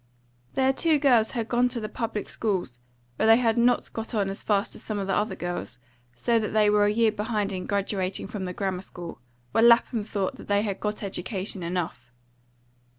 Their two girls had gone to the public schools, where they had not got on as fast as some of the other girls; so that they were a year behind in graduating from the grammar school, where Lapham thought that they had got education enough.